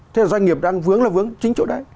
thế là doanh nghiệp đang vướng là vướng chính chỗ đấy